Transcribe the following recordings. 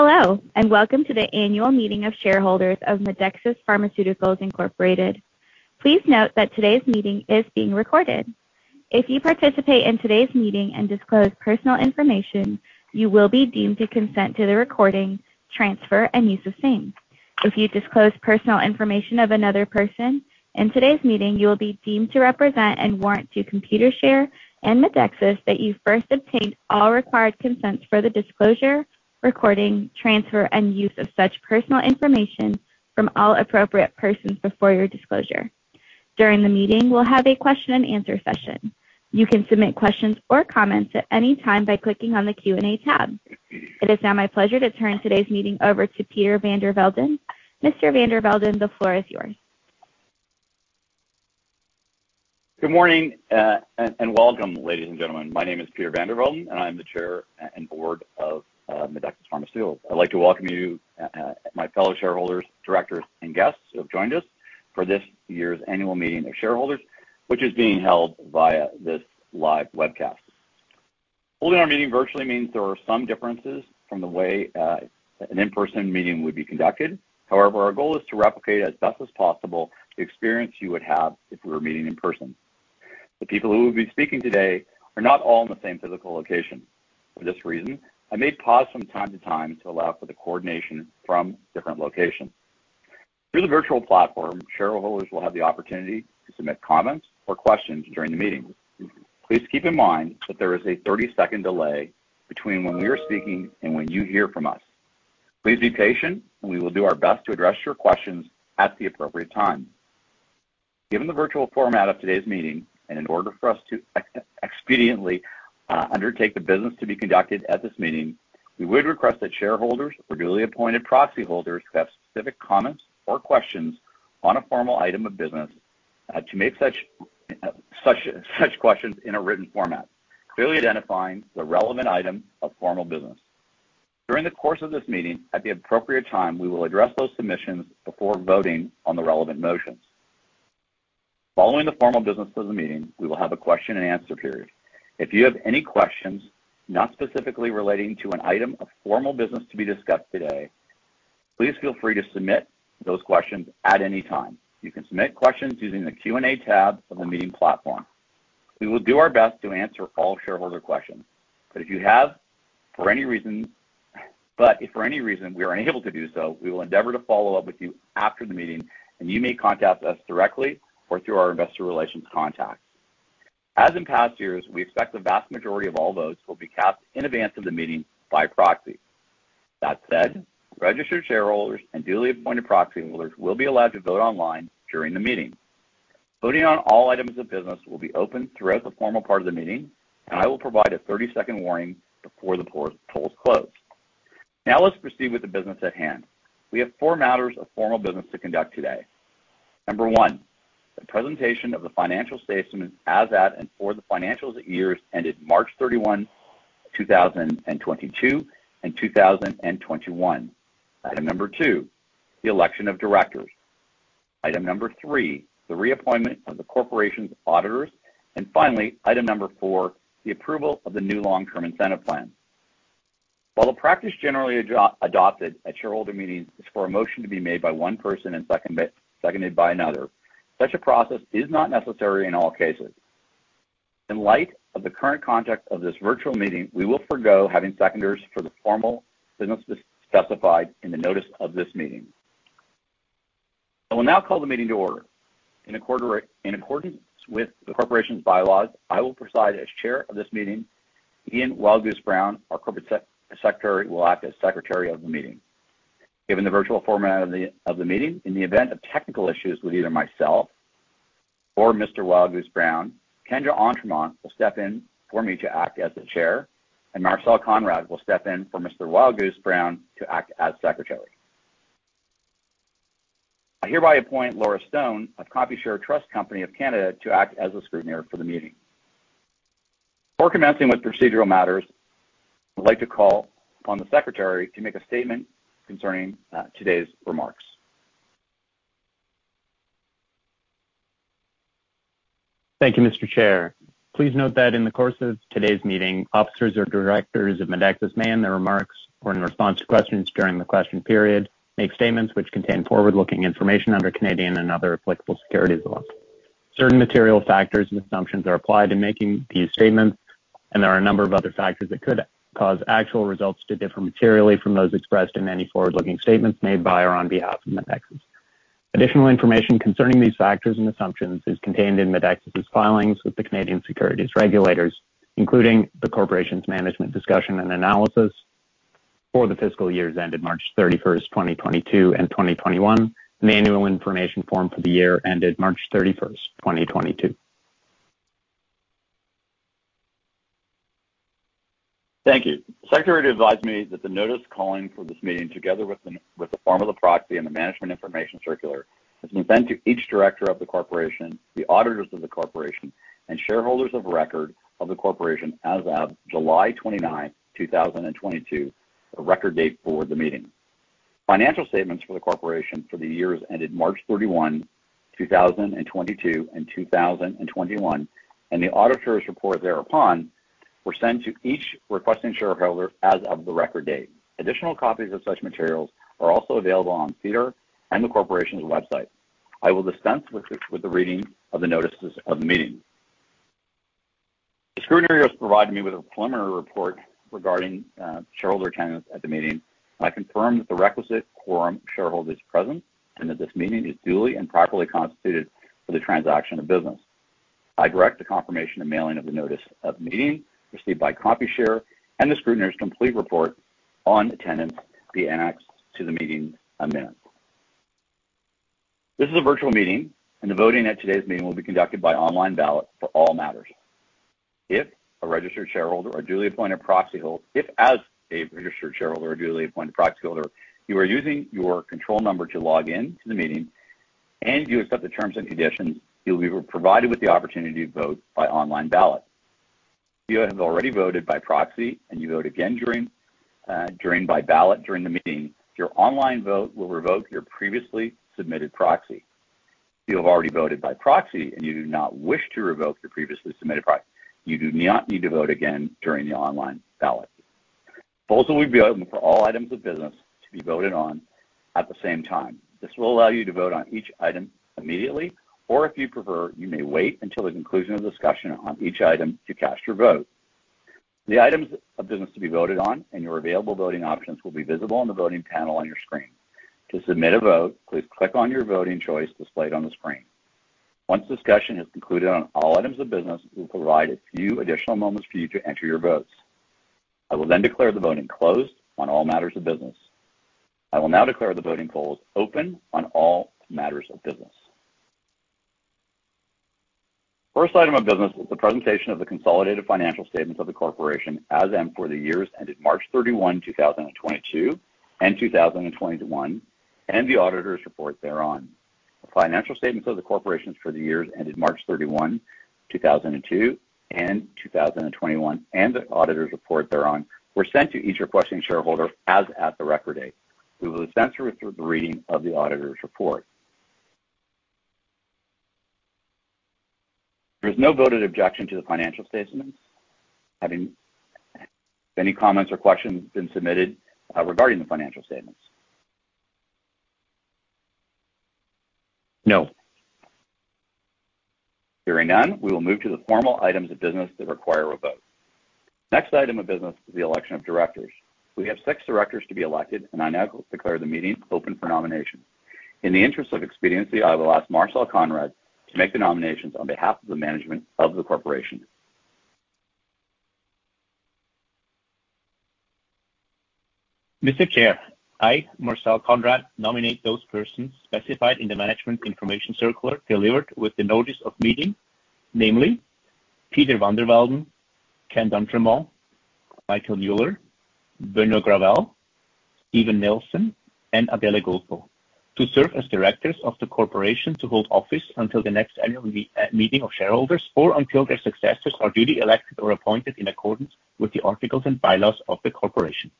Hello, and welcome to the annual meeting of shareholders of Medexus Pharmaceuticals Inc. Please note that today's meeting is being recorded. If you participate in today's meeting and disclose personal information, you will be deemed to consent to the recording, transfer, and use of same. If you disclose personal information of another person in today's meeting, you will be deemed to represent and warrant to Computershare and Medexus that you first obtained all required consents for the disclosure, recording, transfer, and use of such personal information from all appropriate persons before your disclosure. During the meeting, we'll have a question and answer session. You can submit questions or comments at any time by clicking on the Q&A tab. It is now my pleasure to turn today's meeting over to Peter van der Velden. Mr. van der Velden, the floor is yours. Good morning, and welcome, ladies and gentlemen. My name is Peter van der Velden, and I am the Chairman of the Board of Medexus Pharmaceuticals. I'd like to welcome you, my fellow shareholders, directors, and guests who have joined us for this year's annual meeting of shareholders, which is being held via this live webcast. Holding our meeting virtually means there are some differences from the way an in-person meeting would be conducted. However, our goal is to replicate as best as possible the experience you would have if we were meeting in person. The people who will be speaking today are not all in the same physical location. For this reason, I may pause from time to time to allow for the coordination from different locations. Through the virtual platform, shareholders will have the opportunity to submit comments or questions during the meeting. Please keep in mind that there is a 30-second delay between when we are speaking and when you hear from us. Please be patient, and we will do our best to address your questions at the appropriate time. Given the virtual format of today's meeting, and in order for us to expediently undertake the business to be conducted at this meeting, we would request that shareholders or duly appointed proxy holders who have specific comments or questions on a formal item of business to make such questions in a written format, clearly identifying the relevant item of formal business. During the course of this meeting, at the appropriate time, we will address those submissions before voting on the relevant motions. Following the formal business of the meeting, we will have a question and answer period. If you have any questions, not specifically relating to an item of formal business to be discussed today, please feel free to submit those questions at any time. You can submit questions using the Q&A tab of the meeting platform. We will do our best to answer all shareholder questions. If for any reason we are unable to do so, we will endeavor to follow up with you after the meeting, and you may contact us directly or through our investor relations contact. As in past years, we expect the vast majority of all votes will be cast in advance of the meeting by proxy. That said, registered shareholders and duly appointed proxy holders will be allowed to vote online during the meeting. Voting on all items of business will be open throughout the formal part of the meeting, and I will provide a 30-second warning before the polls close. Now let's proceed with the business at hand. We have four matters of formal business to conduct today. Number one, the presentation of the financial statements as at and for the years ended March 31, 2022 and 2021. Item number two, the election of directors. Item number three, the reappointment of the corporation's auditors. Finally, item number four, the approval of the new long-term incentive plan. While the practice generally adopted at shareholder meetings is for a motion to be made by one person and seconded by another, such a process is not necessary in all cases. In light of the current context of this virtual meeting, we will forego having seconders for the formal business specified in the notice of this meeting. I will now call the meeting to order. In accordance with the corporation's bylaws, I will preside as chair of this meeting. Ian Wildgoose Brown, our corporate secretary, will act as secretary of the meeting. Given the virtual format of the meeting, in the event of technical issues with either myself or Mr. Wildgoose Brown, Ken d'Entremont will step in for me to act as the chair, and Marcel Konrad will step in for Mr. Wildgoose Brown to act as secretary. I hereby appoint Laura Stone of Computershare Trust Company of Canada to act as the scrutineer for the meeting. Before commencing with procedural matters, I'd like to call upon the secretary to make a statement concerning today's remarks. Thank you, Mr. Chair. Please note that in the course of today's meeting, officers or directors of Medexus may, in their remarks or in response to questions during the question period, make statements which contain forward-looking information under Canadian and other applicable securities laws. Certain material factors and assumptions are applied in making these statements, and there are a number of other factors that could cause actual results to differ materially from those expressed in any forward-looking statements made by or on behalf of Medexus. Additional information concerning these factors and assumptions is contained in Medexus' filings with the Canadian securities regulators, including the Corporation's management discussion and analysis for the fiscal years ended March 31st, 2022 and 2021, and the annual information form for the year ended March 31st, 2022. Thank you. The Secretary advised me that the notice calling for this meeting, together with the form of the proxy and the Management Information Circular, has been sent to each director of the corporation, the auditors of the corporation, and shareholders of record of the corporation as of July 29th, 2022, the record date for the meeting. Financial statements for the corporation for the years ended March 31, 2022 and 2021, and the auditor's report thereupon, were sent to each requesting shareholder as of the record date. Additional copies of such materials are also available on SEDAR and the corporation's website. I will dispense with the reading of the notices of the meeting. The scrutineer has provided me with a preliminary report regarding shareholder attendance at the meeting. I confirm that the requisite quorum of shareholders is present and that this meeting is duly and properly constituted for the transaction of business. I direct the confirmation and mailing of the notice of meeting received by Computershare and the scrutineer's complete report on attendance be annexed to the meeting minutes. This is a virtual meeting, and the voting at today's meeting will be conducted by online ballot for all matters. If as a registered shareholder or duly appointed proxyholder, you are using your control number to log in to the meeting and you accept the terms and conditions, you'll be provided with the opportunity to vote by online ballot. If you have already voted by proxy and you vote again by ballot during the meeting, your online vote will revoke your previously submitted proxy. If you have already voted by proxy and you do not wish to revoke your previously submitted proxy, you do not need to vote again during the online ballot. Polls will be open for all items of business to be voted on at the same time. This will allow you to vote on each item immediately, or if you prefer, you may wait until the conclusion of discussion on each item to cast your vote. The items of business to be voted on and your available voting options will be visible on the voting panel on your screen. To submit a vote, please click on your voting choice displayed on the screen. Once discussion has concluded on all items of business, we will provide a few additional moments for you to enter your votes. I will then declare the voting closed on all matters of business. I will now declare the voting polls open on all matters of business. First item of business is the presentation of the consolidated financial statements of the Corporation for the years ended March 31, 2022 and 2021, and the auditor's report thereon. The financial statements of the Corporation for the years ended March 31, 2022 and 2021 and the auditor's report thereon were sent to each requesting shareholder as at the record date. We will dispense with the reading of the auditor's report. If there's no objection to the financial statements, have any comments or questions been submitted regarding the financial statements? No. Hearing none, we will move to the formal items of business that require a vote. Next item of business is the election of directors. We have six directors to be elected, and I now declare the meeting open for nominations. In the interest of expediency, I will ask Marcel Konrad to make the nominations on behalf of the management of the corporation. Mr. Chair, I, Marcel Konrad, nominate those persons specified in the management information circular delivered with the notice of meeting, namely Peter van der Velden, Ken d'Entremont, Michael Mueller, Benoit Gravel, Stephen Nelson, and Adele Gulfo, to serve as directors of the corporation to hold office until the next annual meeting of shareholders or until their successors are duly elected or appointed in accordance with the articles and bylaws of the corporation.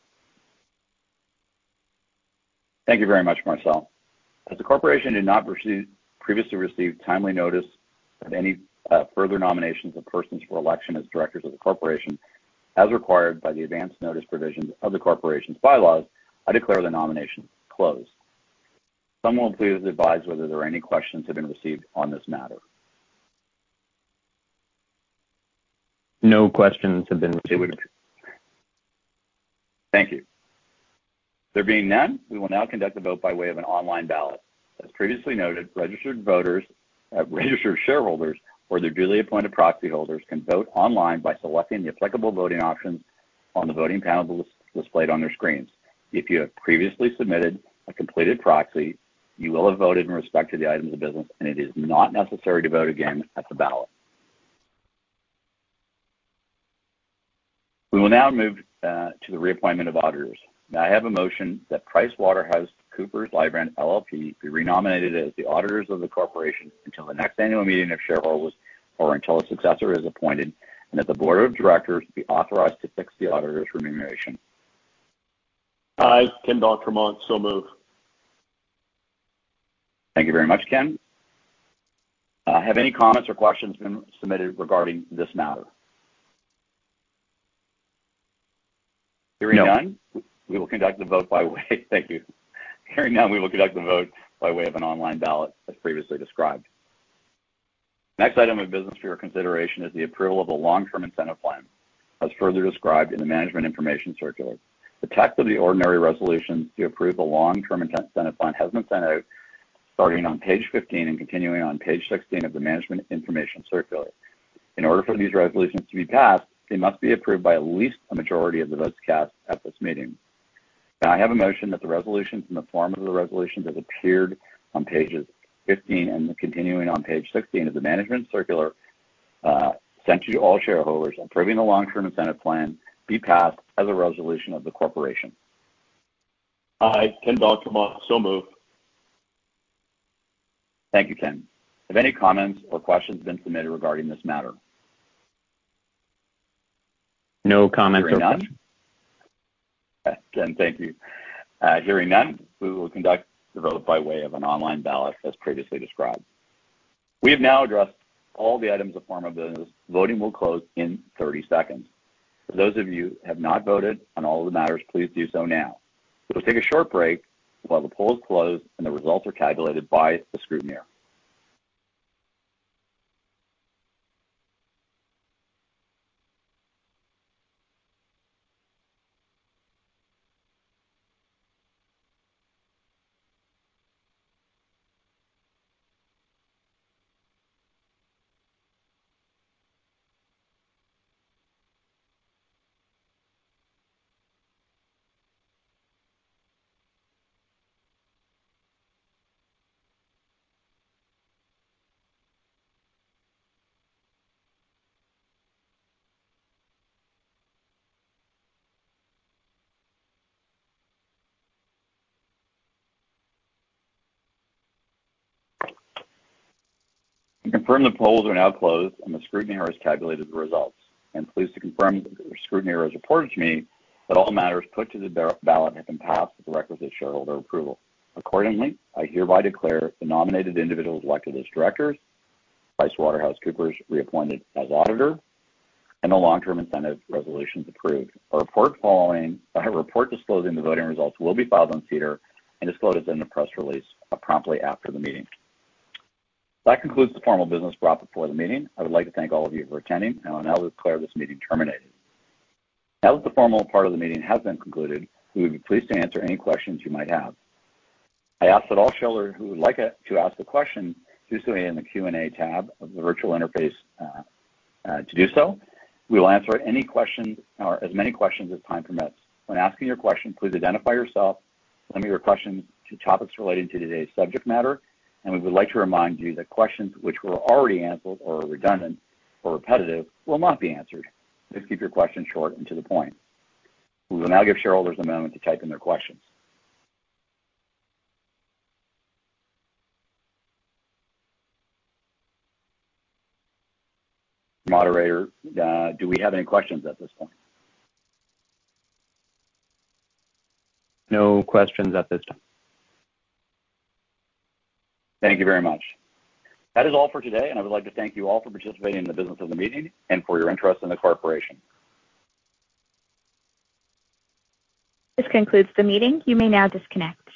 Thank you very much, Marcel. As the corporation did not previously receive timely notice of any further nominations of persons for election as directors of the corporation, as required by the advance notice provisions of the corporation's bylaws, I declare the nominations closed. Someone please advise whether any questions have been received on this matter. No questions have been received. Thank you. There being none, we will now conduct a vote by way of an online ballot. As previously noted, registered shareholders or their duly appointed proxyholders can vote online by selecting the applicable voting options on the voting panel displayed on their screens. If you have previously submitted a completed proxy, you will have voted in respect to the items of business, and it is not necessary to vote again at the ballot. We will now move to the reappointment of auditors. May I have a motion that PricewaterhouseCoopers LLP be renominated as the auditors of the corporation until the next annual meeting of shareholders, or until a successor is appointed, and that the board of directors be authorized to fix the auditor's remuneration. I, Ken d'Entremont, so move. Thank you very much, Ken. Have any comments or questions been submitted regarding this matter? Hearing none, we will conduct the vote by way of an online ballot as previously described. Next item of business for your consideration is the approval of the long-term incentive plan, as further described in the management information circular. The text of the ordinary resolutions to approve the long-term incentive plan has been sent out, starting on page 15 and continuing on page 16 of the management information circular. In order for these resolutions to be passed, they must be approved by at least a majority of the votes cast at this meeting. May I have a motion that the resolutions in the form as appeared on pages 15 and continuing on page 16 of the management circular, sent to you, all shareholders, approving the long-term incentive plan be passed as a resolution of the corporation. I, Ken d'Entremont, so move. Thank you, Ken. Have any comments or questions been submitted regarding this matter? No comments or questions. Then thank you. Hearing none, we will conduct the vote by way of an online ballot as previously described. We have now addressed all the items of formal business. Voting will close in 30 seconds. For those of you who have not voted on all of the matters, please do so now. We will take a short break while the polls close and the results are calculated by the scrutineer. I confirm the polls are now closed and the scrutineer has tabulated the results. I am pleased to confirm that the scrutineer has reported to me that all matters put to the ballot have been passed with the requisite shareholder approval. Accordingly, I hereby declare the nominated individuals elected as directors, PricewaterhouseCoopers reappointed as auditor, and the long-term incentive resolutions approved. A report disclosing the voting results will be filed on SEDAR and disclosed in the press release promptly after the meeting. That concludes the formal business brought before the meeting. I would like to thank all of you for attending. I will now declare this meeting terminated. Now that the formal part of the meeting has been concluded, we would be pleased to answer any questions you might have. I ask that all shareholders who would like to ask a question to do so in the Q&A tab of the virtual interface. We will answer any question or as many questions as time permits. When asking your question, please identify yourself, limit your question to topics relating to today's subject matter, and we would like to remind you that questions which were already answered or are redundant or repetitive will not be answered. Please keep your questions short and to the point. We will now give shareholders a moment to type in their questions. Moderator, do we have any questions at this point? No questions at this time. Thank you very much. That is all for today, and I would like to thank you all for participating in the business of the meeting and for your interest in the corporation. This concludes the meeting. You may now disconnect.